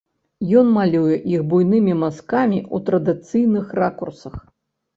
Ён малюе іх буйнымі мазкамі ў традыцыйных ракурсах.